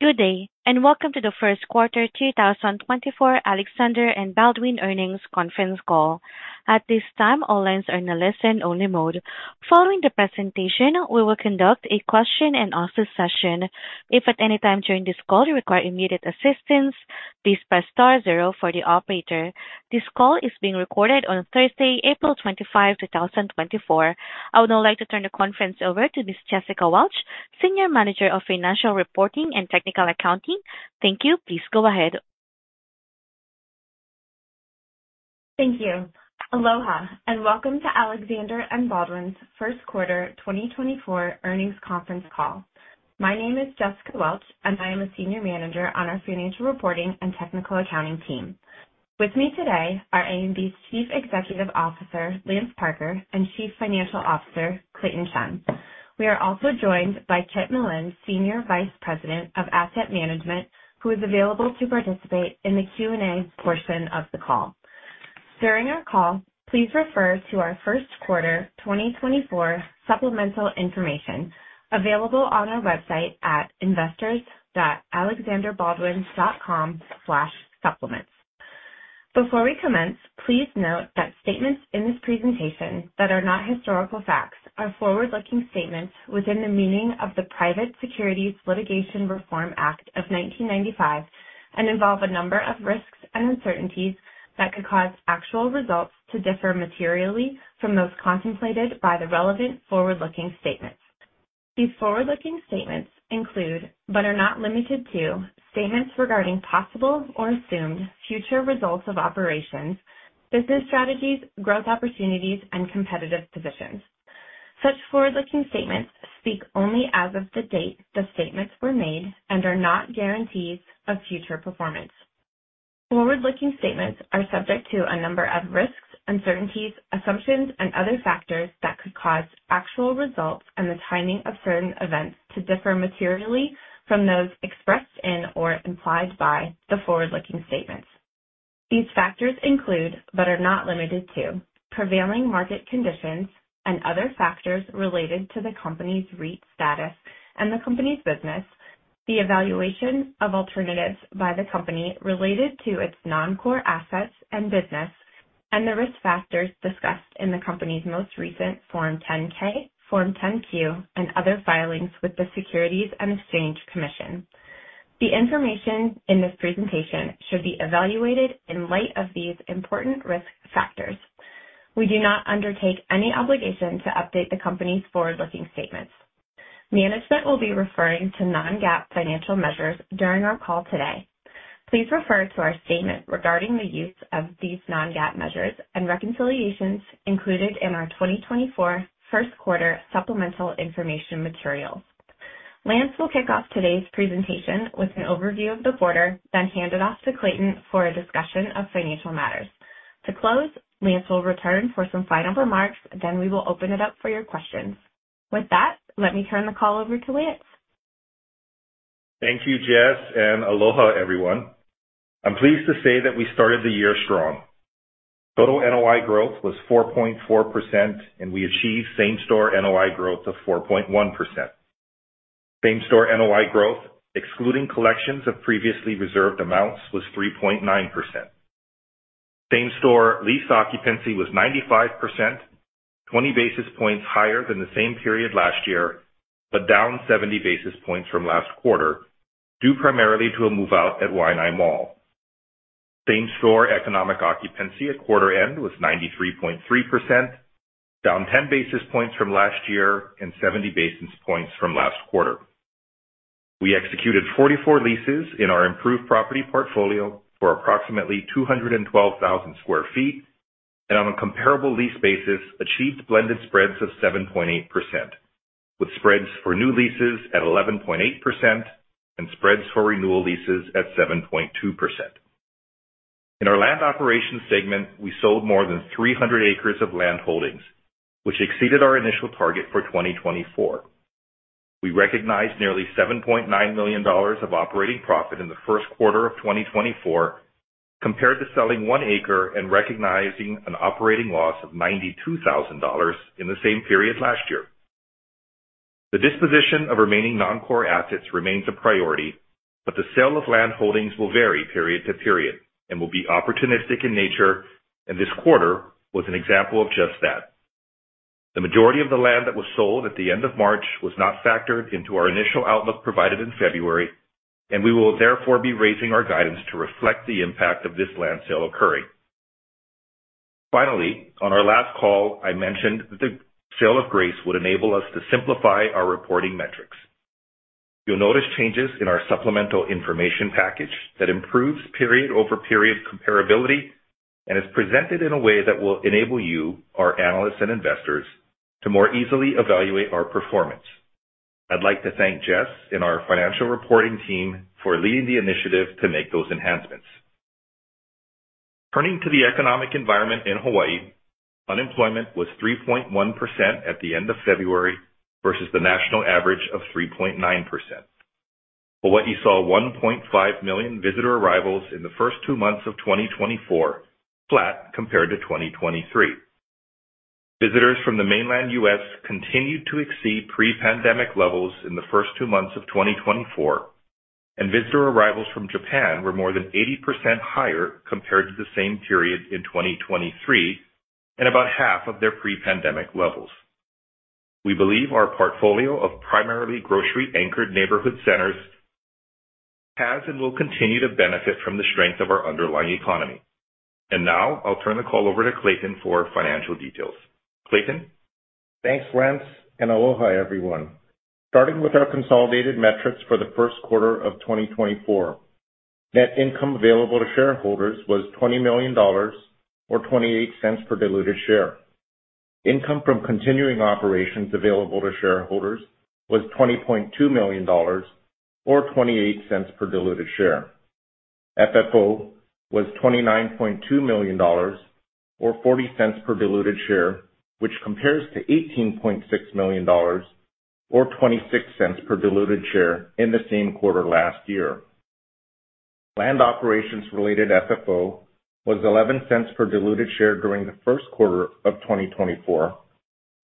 Good day, and welcome to the Q1 2024 Alexander & Baldwin earnings conference call. At this time, all lines are in a listen-only mode. Following the presentation, we will conduct a question and answer session. If at any time during this call you require immediate assistance, please press star zero for the operator. This call is being recorded on Thursday, April 25, 2024. I would now like to turn the conference over to Miss Jessica Welch, Senior Manager of Financial Reporting and Technical Accounting. Thank you. Please go ahead. Thank you. Aloha, and welcome to Alexander & Baldwin's Q1 2024 earnings conference call. My name is Jessica Welch, and I am a senior manager on our financial reporting and technical accounting team. With me today are A&B's Chief Executive Officer, Lance Parker, and Chief Financial Officer, Clayton Chun. We are also joined by Kit Millan, Senior Vice President of Asset Management, who is available to participate in the Q&A portion of the call. During our call, please refer to our Q1 2024 supplemental information available on our website at investors.alexanderbaldwin.com/supplements. Before we commence, please note that statements in this presentation that are not historical facts are forward-looking statements within the meaning of the Private Securities Litigation Reform Act of 1995, and involve a number of risks and uncertainties that could cause actual results to differ materially from those contemplated by the relevant forward-looking statements. These forward-looking statements include, but are not limited to, statements regarding possible or assumed future results of operations, business strategies, growth opportunities, and competitive positions. Such forward-looking statements speak only as of the date the statements were made and are not guarantees of future performance. Forward-looking statements are subject to a number of risks, uncertainties, assumptions, and other factors that could cause actual results and the timing of certain events to differ materially from those expressed in or implied by the forward-looking statements. These factors include, but are not limited to, prevailing market conditions and other factors related to the company's REIT status and the company's business, the evaluation of alternatives by the company related to its non-core assets and business, and the risk factors discussed in the company's most recent Form 10-K, Form 10-Q, and other filings with the Securities and Exchange Commission. The information in this presentation should be evaluated in light of these important risk factors. We do not undertake any obligation to update the company's forward-looking statements. Management will be referring to non-GAAP financial measures during our call today. Please refer to our statement regarding the use of these non-GAAP measures and reconciliations included in our 2024 Q1 supplemental information materials. Lance will kick off today's presentation with an overview of the quarter, then hand it off to Clayton for a discussion of financial matters. To close, Lance will return for some final remarks, then we will open it up for your questions. With that, let me turn the call over to Lance. Thank you, Jess, and aloha, everyone. I'm pleased to say that we started the year strong. Total NOI growth was 4.4%, and we achieved same-store NOI growth of 4.1%. Same-store NOI growth, excluding collections of previously reserved amounts, was 3.9%. Same-store lease occupancy was 95%, 20 basis points higher than the same period last year, but down 70 basis points from last quarter, due primarily to a move out at Waianae Mall. Same-store economic occupancy at quarter end was 93.3%, down 10 basis points from last year and 70 basis points from last quarter. We executed 44 leases in our improved property portfolio for approximately 212,000 sq ft, and on a comparable lease basis, achieved blended spreads of 7.8%, with spreads for new leases at 11.8% and spreads for renewal leases at 7.2%. In our land operations segment, we sold more than 300 acres of land holdings, which exceeded our initial target for 2024. We recognized nearly $7.9 million of operating profit in the Q1 of 2024, compared to selling one acre and recognizing an operating loss of $92,000 in the same period last year. The disposition of remaining non-core assets remains a priority, but the sale of land holdings will vary period to period and will be opportunistic in nature, and this quarter was an example of just that. The majority of the land that was sold at the end of March was not factored into our initial outlook provided in February, and we will therefore be raising our guidance to reflect the impact of this land sale occurring. Finally, on our last call, I mentioned the sale of Grace would enable us to simplify our reporting metrics. You'll notice changes in our supplemental information package that improves period-over-period comparability and is presented in a way that will enable you, our analysts and investors, to more easily evaluate our performance. I'd like to thank Jess and our financial reporting team for leading the initiative to make those enhancements. Turning to the economic environment in Hawaii, unemployment was 3.1% at the end of February versus the national average of 3.9%. Hawaii saw 1.5 million visitor arrivals in the first two months of 2024, flat compared to 2023. Visitors from the mainland U.S. continued to exceed pre-pandemic levels in the first two months of 2024, and visitor arrivals from Japan were more than 80% higher compared to the same period in 2023, and about half of their pre-pandemic levels. We believe our portfolio of primarily grocery-anchored neighborhood centers has and will continue to benefit from the strength of our underlying economy. And now I'll turn the call over to Clayton for financial details. Clayton? Thanks, Lance, and aloha, everyone. Starting with our consolidated metrics for the Q1 of 2024. Net income available to shareholders was $20 million or $0.28 per diluted share. Income from continuing operations available to shareholders was $20.2 million or $0.28 per diluted share. FFO was $29.2 million or $0.40 per diluted share, which compares to $18.6 million or $0.26 per diluted share in the same quarter last year. Land operations-related FFO was $0.11 per diluted share during the Q1 of 2024,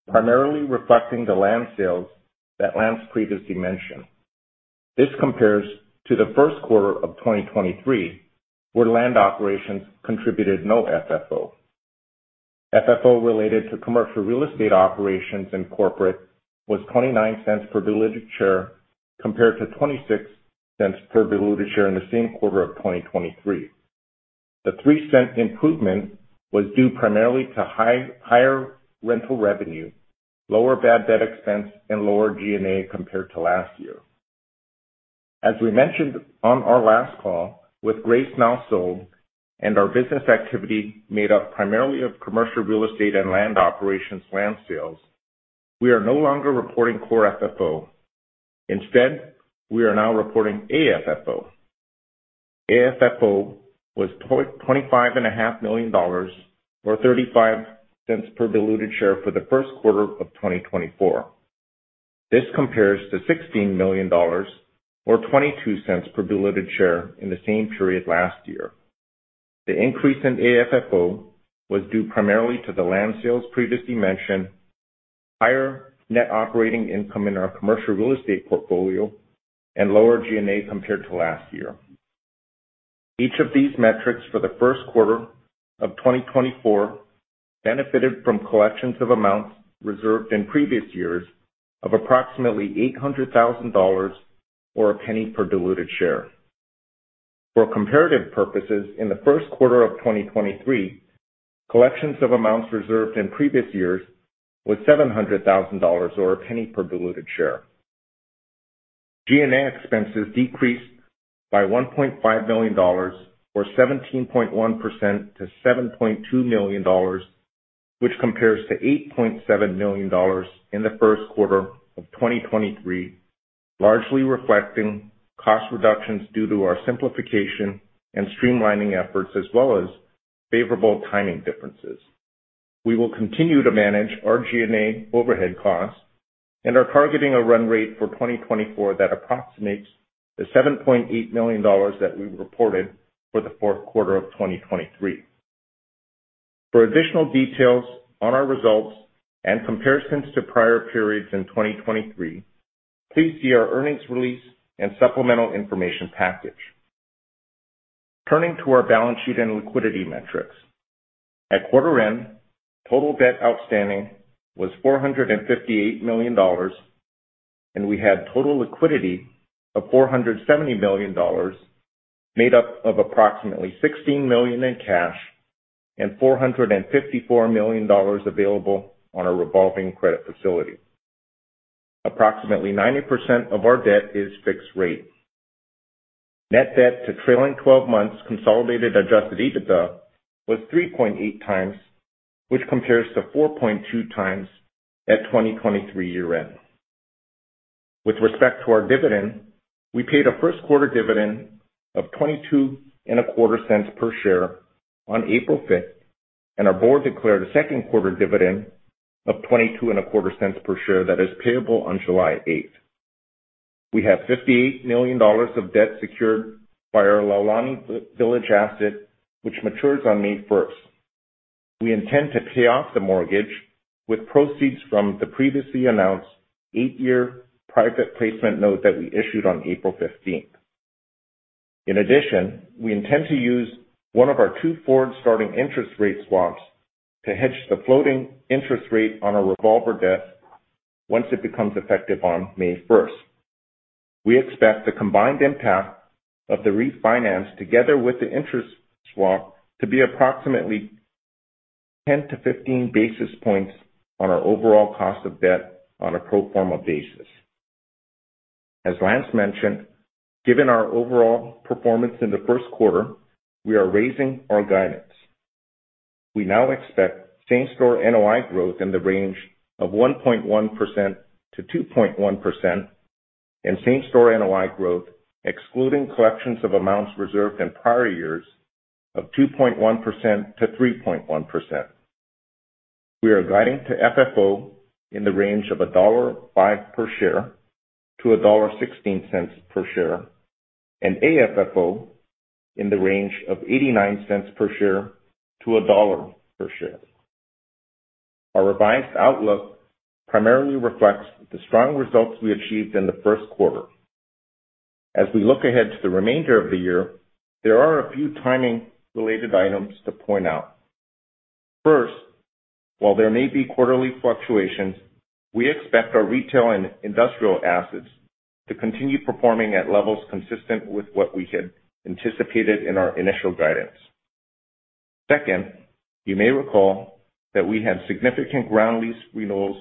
primarily reflecting the land sales that Lance previously mentioned. This compares to the Q1 of 2023, where land operations contributed no FFO. FFO related to commercial real estate operations and corporate was $0.29 per diluted share, compared to $0.26 per diluted share in the same quarter of 2023. The 3-cent improvement was due primarily to higher rental revenue, lower bad debt expense, and lower G&A compared to last year. As we mentioned on our last call, with Grace now sold and our business activity made up primarily of commercial real estate and land operations land sales, we are no longer reporting core FFO. Instead, we are now reporting AFFO. AFFO was $25.5 million, or $0.35 per diluted share for the Q1 of 2024. This compares to $16 million, or $0.22 per diluted share in the same period last year. The increase in AFFO was due primarily to the land sales previously mentioned, higher net operating income in our commercial real estate portfolio, and lower G&A compared to last year. Each of these metrics for the Q1 of 2024 benefited from collections of amounts reserved in previous years of approximately $800,000, or $0.01 per diluted share. For comparative purposes, in the Q1 of 2023, collections of amounts reserved in previous years was $700,000 or $0.01 per diluted share. G&A expenses decreased by $1.5 million, or 17.1% to $7.2 million, which compares to $8.7 million in the Q1 of 2023, largely reflecting cost reductions due to our simplification and streamlining efforts, as well as favorable timing differences. We will continue to manage our G&A overhead costs and are targeting a run rate for 2024 that approximates the $7.8 million that we reported for the Q4 of 2023. For additional details on our results and comparisons to prior periods in 2023, please see our earnings release and supplemental information package. Turning to our balance sheet and liquidity metrics. At quarter end, total debt outstanding was $458 million, and we had total liquidity of $470 million, made up of approximately $16 million in cash and $454 million available on our revolving credit facility. Approximately 90% of our debt is fixed rate. Net debt to trailing twelve months consolidated adjusted EBITDA was 3.8x, which compares to 4.2x at 2023 year end. With respect to our dividend, we paid a Q1 dividend of $0.2225 per share on April 5, 2024, and our board declared a Q2 dividend of $0.2225 per share that is payable on July 8, 2024. We have $58 million of debt secured by our Laulani Village asset, which matures on May first. We intend to pay off the mortgage with proceeds from the previously announced 8-year private placement note that we issued on April 15, 2024. In addition, we intend to use one of our two forward starting interest rate swaps to hedge the floating interest rate on our revolver debt once it becomes effective on May first. We expect the combined impact of the refinance, together with the interest swap, to be approximately 10-15 basis points on our overall cost of debt on a pro forma basis. As Lance mentioned, given our overall performance in the Q1, we are raising our guidance. We now expect same-store NOI growth in the range of 1.1%-2.1%, and same-store NOI growth, excluding collections of amounts reserved in prior years, of 2.1%-3.1%. We are guiding to FFO in the range of $1.05 per share to $1.16 per share, and AFFO in the range of $0.89 per share to $1 per share. Our revised outlook primarily reflects the strong results we achieved in the Q1. As we look ahead to the remainder of the year, there are a few timing-related items to point out. First, while there may be quarterly fluctuations, we expect our retail and industrial assets to continue performing at levels consistent with what we had anticipated in our initial guidance. Second, you may recall that we had significant ground lease renewals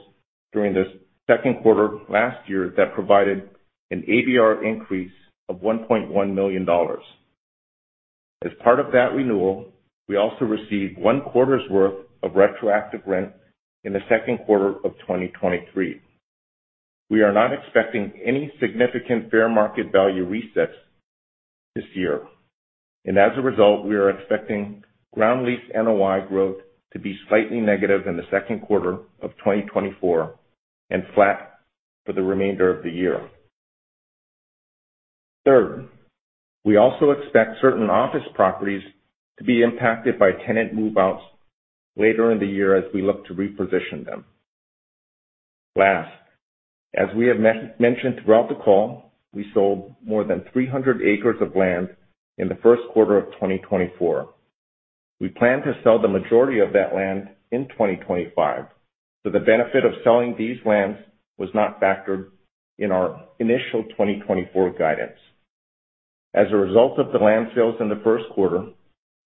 during this Q2 last year that provided an ABR increase of $1.1 million. As part of that renewal, we also received one quarter's worth of retroactive rent in the Q2 of 2023. We are not expecting any significant fair market value resets this year, and as a result, we are expecting ground lease NOI growth to be slightly negative in the Q2 of 2024 and flat for the remainder of the year. Third, we also expect certain office properties to be impacted by tenant move-outs later in the year as we look to reposition them. Last, as we have mentioned throughout the call, we sold more than 300 acres of land in the Q1 of 2024. We plan to sell the majority of that land in 2025, so the benefit of selling these lands was not factored in our initial 2024 guidance. As a result of the land sales in the Q1,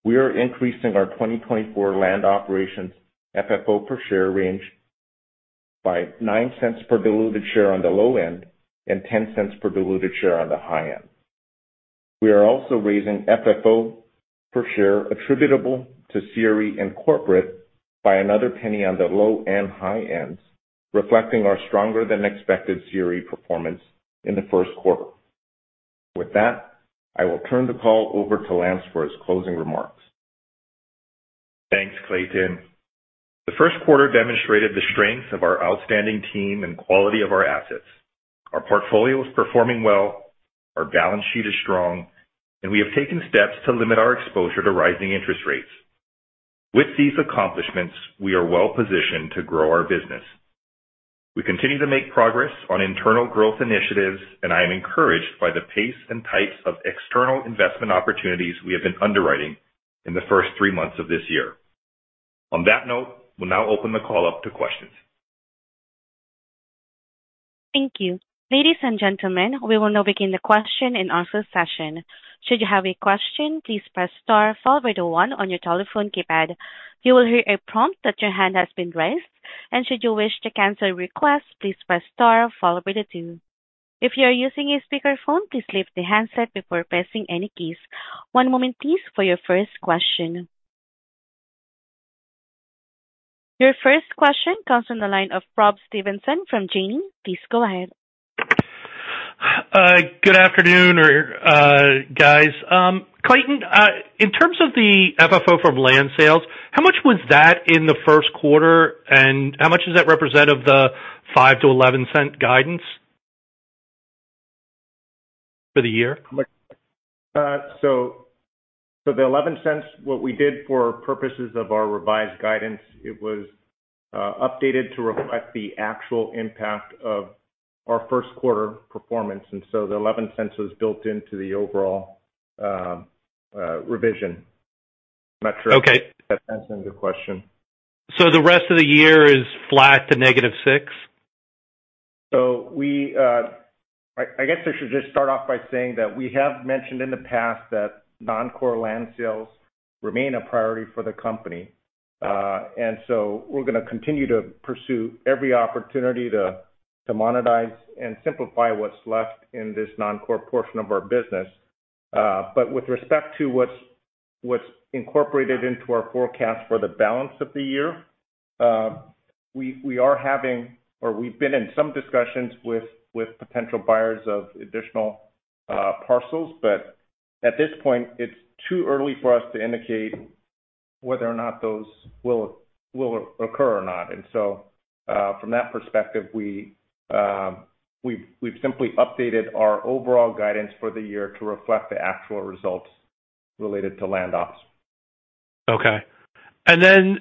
we are increasing our 2024 land operations FFO per share range by $0.09 per diluted share on the low end and $0.10 per diluted share on the high end. We are also raising FFO per share attributable to CRE and corporate by another $0.01 on the low and high ends, reflecting our stronger than expected CRE performance in the Q1. With that, I will turn the call over to Lance for his closing remarks. Thanks, Clayton. The Q1 demonstrated the strength of our outstanding team and quality of our assets. Our portfolio is performing well, our balance sheet is strong, and we have taken steps to limit our exposure to rising interest rates. With these accomplishments, we are well positioned to grow our business. We continue to make progress on internal growth initiatives, and I am encouraged by the pace and types of external investment opportunities we have been underwriting in the first three months of this year. On that note, we'll now open the call up to questions. Thank you. Ladies and gentlemen, we will now begin the question and answer session. Should you have a question, please press star followed by the one on your telephone keypad. You will hear a prompt that your hand has been raised, and should you wish to cancel your request, please press star followed by the two. If you are using a speakerphone, please lift the handset before pressing any keys. One moment, please, for your first question. Your first question comes from the line of Rob Stevenson from Janney. Please go ahead. Good afternoon, guys. Clayton, in terms of the FFO from land sales, how much was that in the Q1, and how much does that represent of the $0.05-$0.11 guidance for the year? So, the $0.11, what we did for purposes of our revised guidance, it was updated to reflect the actual impact of our Q1 performance, and so the $0.11 was built into the overall revision. I'm not sure- Okay. - If that answered your question. The rest of the year is flat to -6? So we, I guess I should just start off by saying that we have mentioned in the past that non-core land sales remain a priority for the company. And so we're going to continue to pursue every opportunity to monetize and simplify what's left in this non-core portion of our business. But with respect to what's incorporated into our forecast for the balance of the year, we are having, or we've been in some discussions with potential buyers of additional parcels, but at this point, it's too early for us to indicate whether or not those will occur or not. And so, from that perspective, we've simply updated our overall guidance for the year to reflect the actual results related to Land Ops. Okay. And then,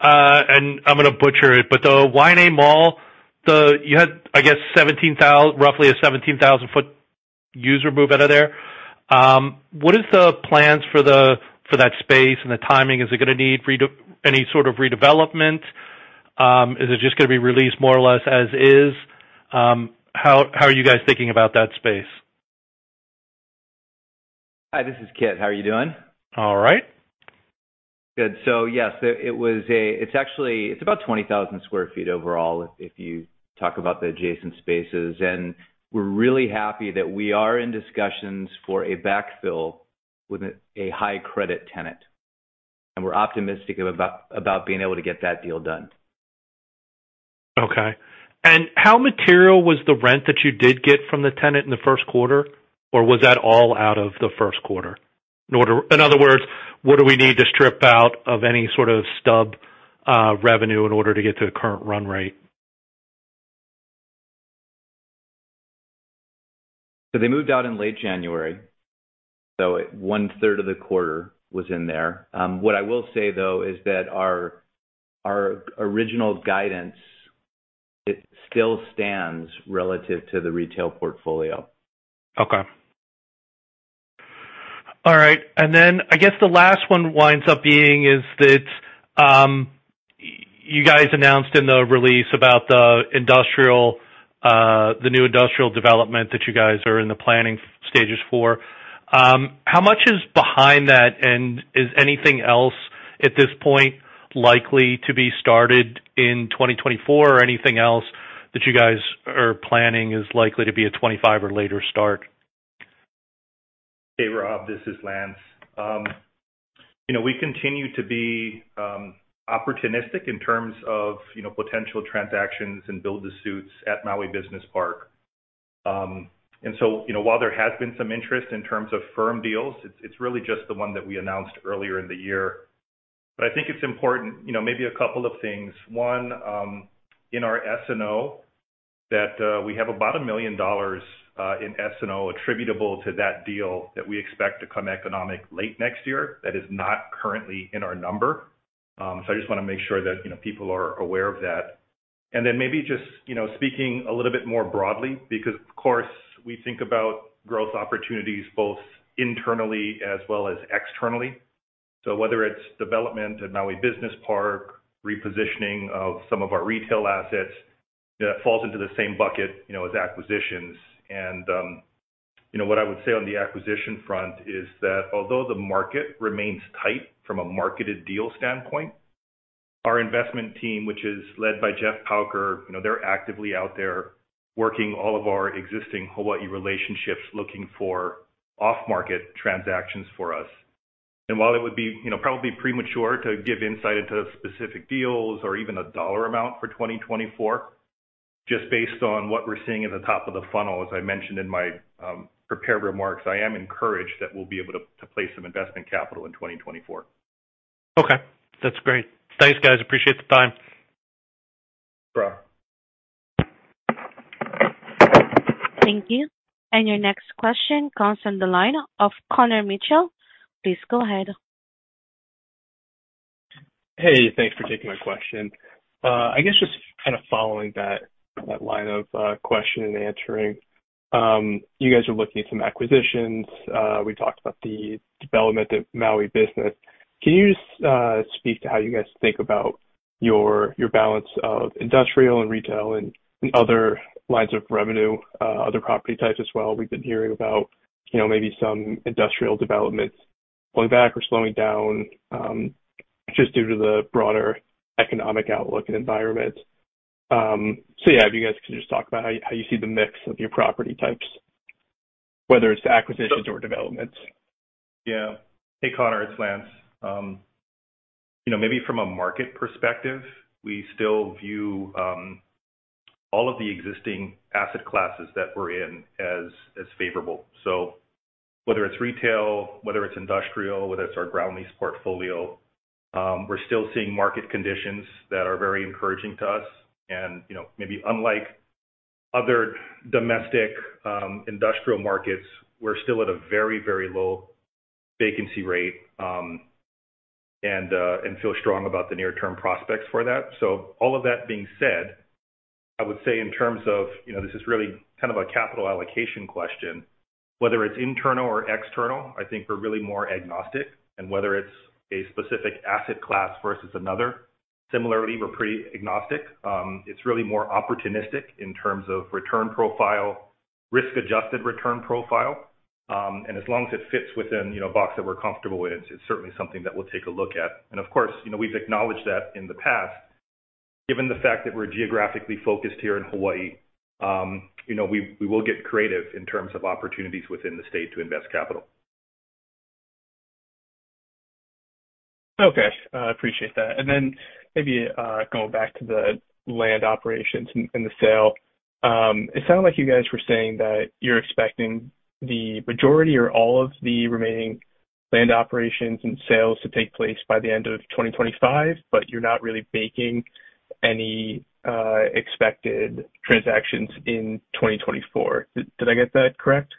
and I'm going to butcher it, but the Waianae Mall, the you had, I guess, 17,000, roughly a 17,000 foot user move out of there. What is the plans for the, for that space and the timing? Is it going to need any sort of redevelopment? Is it just going to be released more or less as is? How are you guys thinking about that space? Hi, this is Kit. How are you doing? All right. Good. So yes, it was. It's actually about 20,000 sq ft overall, if you talk about the adjacent spaces. And we're really happy that we are in discussions for a backfill with a high credit tenant, and we're optimistic about being able to get that deal done. Okay. And how material was the rent that you did get from the tenant in the Q1, or was that all out of the Q1? In other words, what do we need to strip out of any sort of stub revenue in order to get to the current run rate? So they moved out in late January, so one-third of the quarter was in there. What I will say, though, is that our, our original guidance, it still stands relative to the retail portfolio. Okay. All right, and then I guess the last one winds up being is that, you guys announced in the release about the industrial, the new industrial development that you guys are in the planning stages for. How much is behind that? And is anything else at this point likely to be started in 2024, or anything else that you guys are planning is likely to be a 2025 or later start? Hey, Rob, this is Lance. You know, we continue to be opportunistic in terms of, you know, potential transactions and build-to-suits at Maui Business Park. And so, you know, while there has been some interest in terms of firm deals, it's, it's really just the one that we announced earlier in the year. But I think it's important, you know, maybe a couple of things. One, in our S&O, that we have about $1 million in S&O attributable to that deal that we expect to come economic late next year. That is not currently in our number. So I just want to make sure that, you know, people are aware of that. And then maybe just, you know, speaking a little bit more broadly, because, of course, we think about growth opportunities both internally as well as externally. So whether it's development at Maui Business Park, repositioning of some of our retail assets, that falls into the same bucket, you know, as acquisitions. And, you know, what I would say on the acquisition front is that although the market remains tight from a marketed deal standpoint, our investment team, which is led by Jeff Pauker, you know, they're actively out there working all of our existing Hawaii relationships, looking for off-market transactions for us. And while it would be, you know, probably premature to give insight into specific deals or even a dollar amount for 2024, just based on what we're seeing at the top of the funnel, as I mentioned in my, prepared remarks, I am encouraged that we'll be able to, to place some investment capital in 2024. Okay, that's great. Thanks, guys, appreciate the time. Sure. Thank you. And your next question comes from the line of Connor Mitchell. Please go ahead. Hey, thanks for taking my question. I guess just kind of following that line of question and answering. You guys are looking at some acquisitions. We talked about the development of Maui business. Can you just speak to how you guys think about your balance of industrial and retail and other lines of revenue, other property types as well? We've been hearing about, you know, maybe some industrial developments pulling back or slowing down, just due to the broader economic outlook and environment. So yeah, if you guys can just talk about how you see the mix of your property types, whether it's acquisitions or developments. Yeah. Hey, Connor, it's Lance. You know, maybe from a market perspective, we still view all of the existing asset classes that we're in as as favorable. So whether it's retail, whether it's industrial, whether it's our ground lease portfolio, we're still seeing market conditions that are very encouraging to us. And, you know, maybe unlike other domestic industrial markets, we're still at a very, very low vacancy rate and feel strong about the near-term prospects for that. So all of that being said, I would say in terms of, you know, this is really kind of a capital allocation question, whether it's internal or external, I think we're really more agnostic. And whether it's a specific asset class versus another, similarly, we're pretty agnostic. It's really more opportunistic in terms of return profile, risk-adjusted return profile. And as long as it fits within, you know, a box that we're comfortable with, it's certainly something that we'll take a look at. And of course, you know, we've acknowledged that in the past, given the fact that we're geographically focused here in Hawaii, you know, we will get creative in terms of opportunities within the state to invest capital. Okay, I appreciate that. And then maybe, going back to the land operations and the sale. It sounded like you guys were saying that you're expecting the majority or all of the remaining land operations and sales to take place by the end of 2025, but you're not really baking any expected transactions in 2024. Did I get that correct?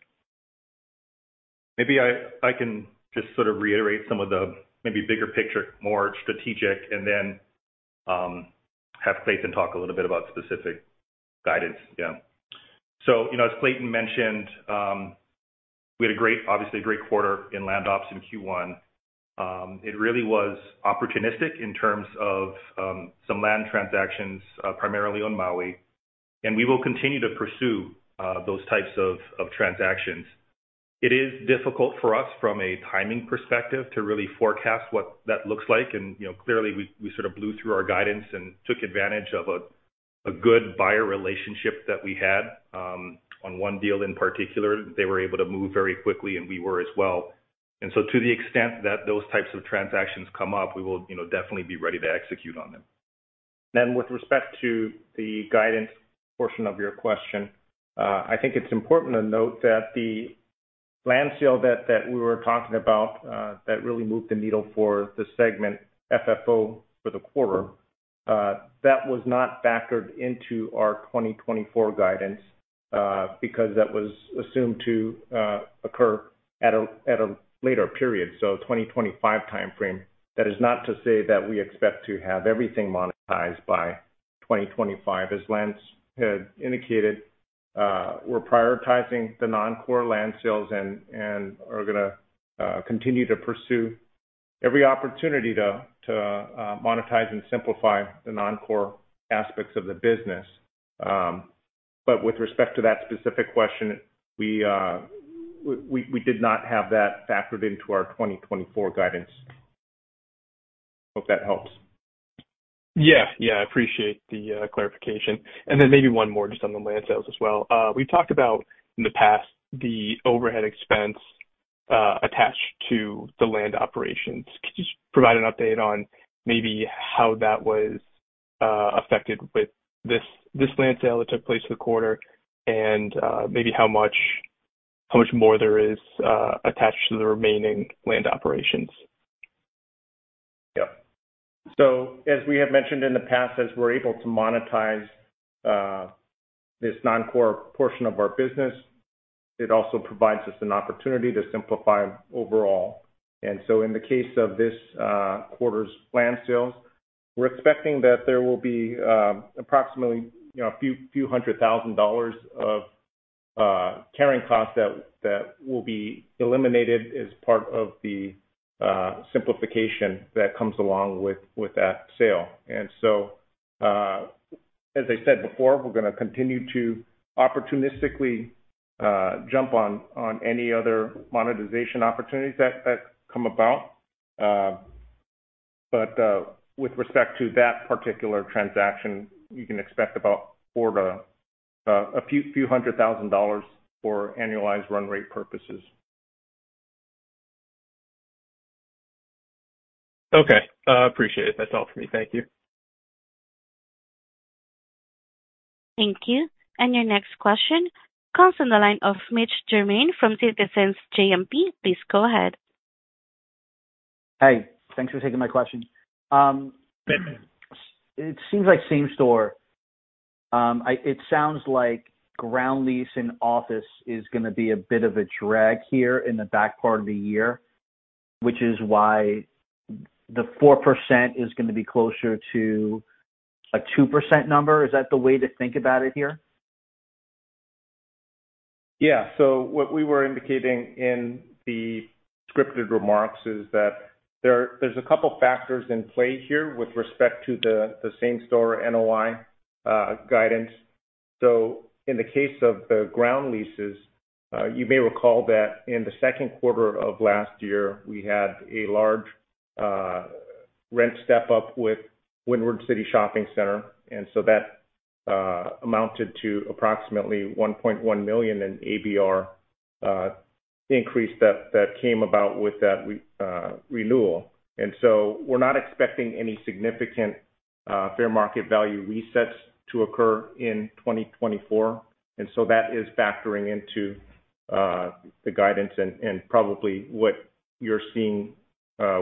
Maybe I can just sort of reiterate some of the maybe bigger picture, more strategic, and then have Clayton talk a little bit about specific guidance. Yeah. So, you know, as Clayton mentioned, we had a great, obviously a great quarter in land ops in Q1. It really was opportunistic in terms of some land transactions, primarily on Maui, and we will continue to pursue those types of transactions. It is difficult for us, from a timing perspective, to really forecast what that looks like. And, you know, clearly we sort of blew through our guidance and took advantage of a good buyer relationship that we had. On one deal in particular, they were able to move very quickly, and we were as well. And so to the extent that those types of transactions come up, we will, you know, definitely be ready to execute on them. With respect to the guidance portion of your question, I think it's important to note that the land sale that we were talking about that really moved the needle for the segment FFO for the quarter that was not factored into our 2024 guidance because that was assumed to occur at a later period, so 2025 timeframe. That is not to say that we expect to have everything monetized by 2025. As Lance had indicated, we're prioritizing the non-core land sales and are gonna continue to pursue every opportunity to monetize and simplify the non-core aspects of the business. But with respect to that specific question, we did not have that factored into our 2024 guidance. Hope that helps. Yeah. Yeah, I appreciate the clarification. And then maybe one more just on the land sales as well. We've talked about in the past, the overhead expense attached to the land operations. Could you just provide an update on maybe how that was affected with this, this land sale that took place this quarter, and maybe how much, how much more there is attached to the remaining land operations? Yep. So as we have mentioned in the past, as we're able to monetize this non-core portion of our business, it also provides us an opportunity to simplify overall. And so in the case of this quarter's land sales, we're expecting that there will be approximately, you know, a few hundred thousand dollars of carrying costs that will be eliminated as part of the simplification that comes along with that sale. And so, as I said before, we're gonna continue to opportunistically jump on any other monetization opportunities that come about. But with respect to that particular transaction, you can expect about quarter a few hundred thousand dollars for annualized run rate purposes. Okay, appreciate it. That's all for me. Thank you. Thank you. Your next question comes from the line of Mitch Germain from Citizens JMP. Please go ahead. Hey, thanks for taking my question. It seems like same store. It sounds like ground lease and office is gonna be a bit of a drag here in the back part of the year, which is why the 4% is gonna be closer to a 2% number. Is that the way to think about it here? Yeah. So what we were indicating in the scripted remarks is that there, there's a couple factors in play here with respect to the same store NOI guidance. So in the case of the ground leases, you may recall that in the Q2 of last year, we had a large rent step up with Windward City Shopping Center, and so that amounted to approximately $1.1 million in ABR increase that came about with that renewal. And so we're not expecting any significant fair market value resets to occur in 2024, and so that is factoring into the guidance and probably what you're seeing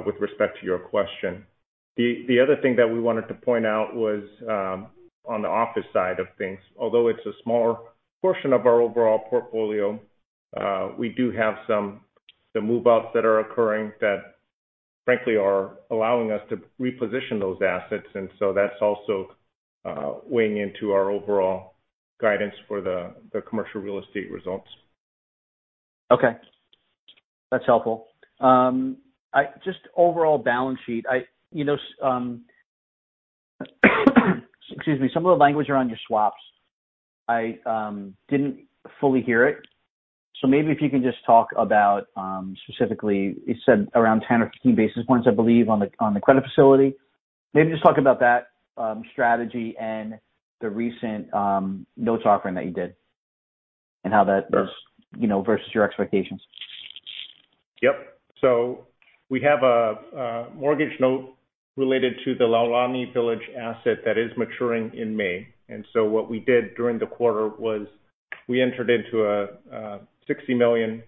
with respect to your question. The other thing that we wanted to point out was on the office side of things. Although it's a smaller portion of our overall portfolio, we do have some move-outs that are occurring that frankly are allowing us to reposition those assets, and so that's also weighing into our overall guidance for the commercial real estate results. Okay. That's helpful. Just overall balance sheet, you know, excuse me. Some of the language around your swaps, I didn't fully hear it. So maybe if you can just talk about, specifically, you said around 10 or 15 basis points, I believe, on the credit facility. Maybe just talk about that, strategy and the recent notes offering that you did, and how that is- Sure... you know, versus your expectations. Yep. So we have a mortgage note related to the Laulani Village asset that is maturing in May. So what we did during the quarter was we entered into a $60 million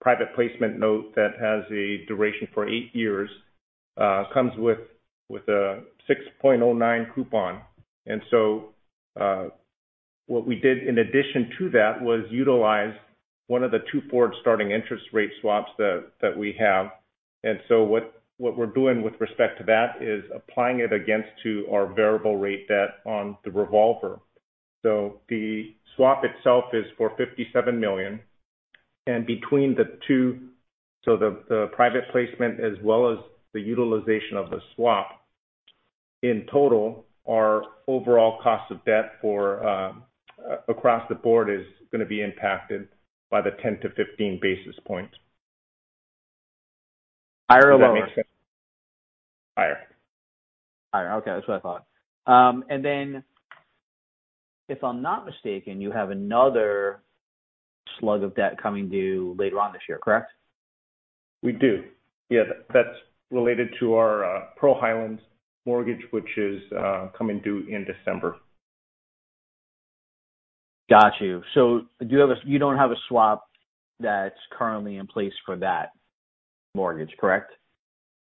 private placement note that has a duration for eight years, comes with a 6.09% coupon. So what we did in addition to that was utilize one of the two forward starting interest rate swaps that we have. So what we're doing with respect to that is applying it against to our variable rate debt on the revolver. So the swap itself is for $57 million, and between the two, so the private placement as well as the utilization of the swap, in total, our overall cost of debt for across the board is gonna be impacted by 10-15 basis points. Higher or lower? Does that make sense? Higher. Higher, okay. That's what I thought. And then, if I'm not mistaken, you have another slug of debt coming due later on this year, correct? We do. Yeah, that's related to our Pearl Highlands mortgage, which is coming due in December. Got you. So do you have a, you don't have a swap that's currently in place for that mortgage, correct?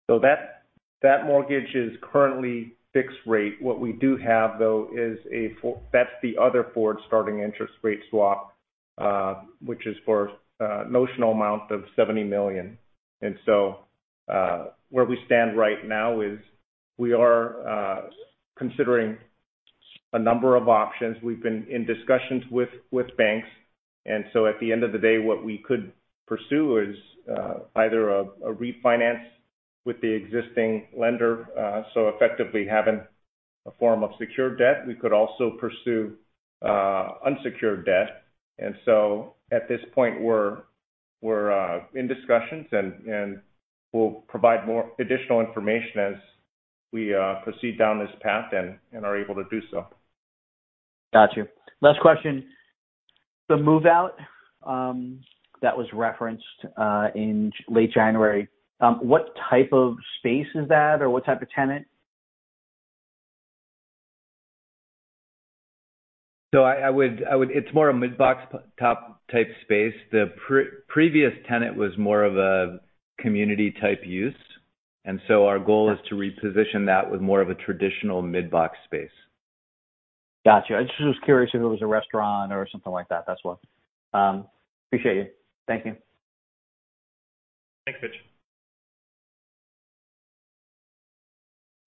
So that, that mortgage is currently fixed rate. What we do have, though, is a that's the other forward starting interest rate swap, which is for, notional amount of $70 million. And so, where we stand right now is we are, considering a number of options. We've been in discussions with, with banks, and so at the end of the day, what we could pursue is, either a, a refinance with the existing lender, so effectively having a form of secured debt. We could also pursue, unsecured debt. And so at this point, we're, we're, in discussions, and, and we'll provide more additional information as we, proceed down this path and, and are able to do so. Got you. Last question. The move-out that was referenced in late January, what type of space is that or what type of tenant? It's more a mid-box prototype type space. The previous tenant was more of a community-type use, and so our goal is to reposition that with more of a traditional mid-box space. Got you. I just was curious if it was a restaurant or something like that, that's all. Appreciate you. Thank you. Thanks, Mitch.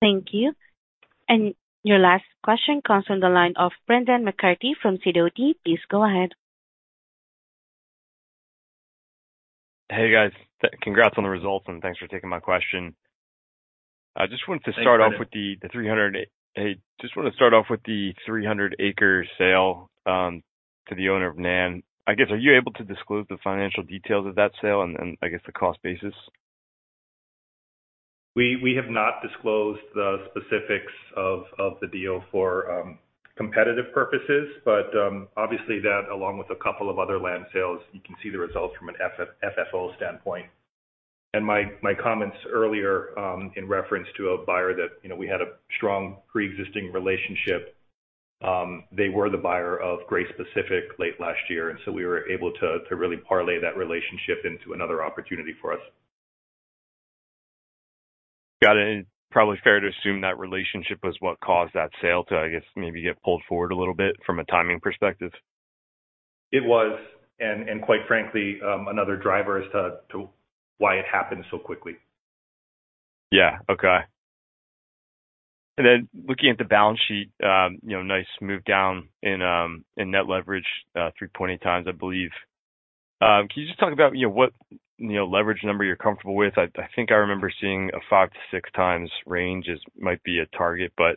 Thank you. Your last question comes from the line of Brendan McCarthy from Sidoti. Please go ahead. Hey, guys. Congrats on the results, and thanks for taking my question. I just wanted to- Thanks, Brendan I just want to start off with the 300 acre sale to the owner of Nan. I guess, are you able to disclose the financial details of that sale and I guess the cost basis? We have not disclosed the specifics of the deal for competitive purposes. But obviously that along with a couple of other land sales, you can see the results from an FFO standpoint. And my comments earlier in reference to a buyer that you know we had a strong preexisting relationship, they were the buyer of Grace Pacific late last year, and so we were able to really parlay that relationship into another opportunity for us. Got it. And probably fair to assume that relationship was what caused that sale to, I guess, maybe get pulled forward a little bit from a timing perspective? It was, and quite frankly, another driver as to why it happened so quickly. Yeah. Okay. And then looking at the balance sheet, you know, nice move down in, in net leverage, 3.8x, I believe. Can you just talk about, you know, what, you know, leverage number you're comfortable with? I, I think I remember seeing a 5x to 6x range as might be a target, but,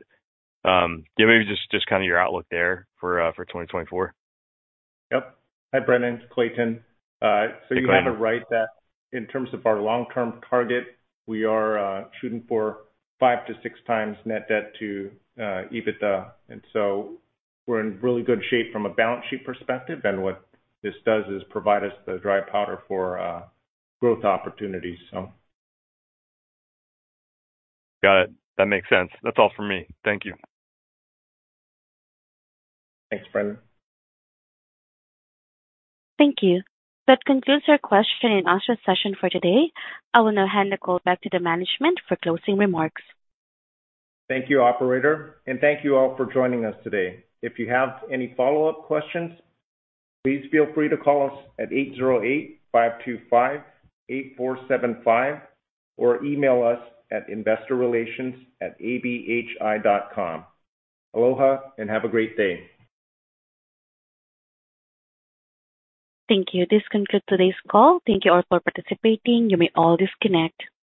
yeah, maybe just, just kind of your outlook there for, for 2024. Yep. Hi, Brendan, it's Clayton. Hi. So you're kind of right that in terms of our long-term target, we are shooting for 5x to 6x net debt to EBITDA, and so we're in really good shape from a balance sheet perspective, and what this does is provide us the dry powder for growth opportunities, so. Got it. That makes sense. That's all for me. Thank you. Thanks, Brendan. Thank you. That concludes our question and answer session for today. I will now hand the call back to the management for closing remarks. Thank you, operator, and thank you all for joining us today. If you have any follow-up questions, please feel free to call us at 808-525-8475, or email us at investorrelations@abhi.com. Aloha, and have a great day. Thank you. This concludes today's call. Thank you all for participating. You may all disconnect.